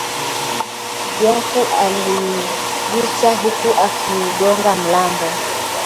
Jaku aliguta huku akiugonga mlango